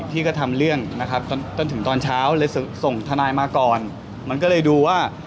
ที่ก็ทำเรื่องนะครับจนถึงตอนเช้าเลยส่งทนายมาก่อนมันก็เลยดูว่า